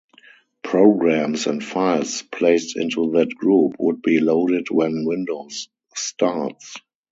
Programs and files placed into that group would be loaded when Windows starts.